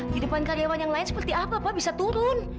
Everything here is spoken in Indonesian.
di depan karyawan yang lain seperti apa pa bisa turun